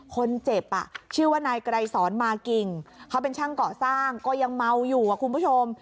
คนเจ็บชื่อว่านายไกรสอนมากิ่งเขาเป็นช่างก่อสร้างก็ยังเมาอยู่คุณผู้ชม